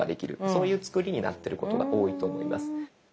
そういう作りになってることが多いと思います。